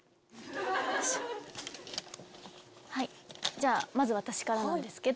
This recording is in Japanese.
じゃあまず私からなんですけど。